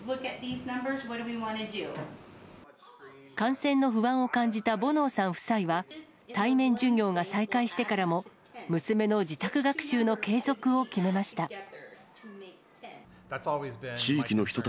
感染の不安を感じたボノーさん夫妻は、対面授業が再開してからも、娘の自宅学習の継続を決めました。